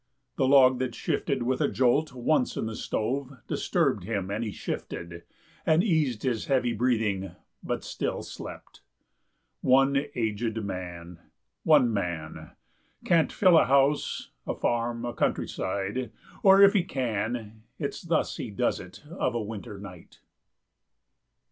The log that shifted with a jolt Once in the stove, disturbed him and he shifted, And eased his heavy breathing, but still slept. One aged man one man can't fill a house, A farm, a countryside, or if he can, It's thus he does it of a winter night.